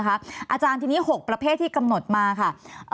อาจารย์ทีนี้๖ประเภทที่กำหนดมาค่ะ